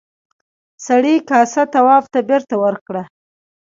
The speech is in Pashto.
سړي کاسه تواب ته بېرته ورکړه.